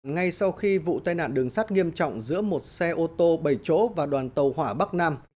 ngay sau khi vụ tai nạn đường sắt nghiêm trọng giữa một xe ô tô bảy chỗ và đoàn tàu hỏa bắc nam